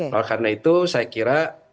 nah karena itu saya kira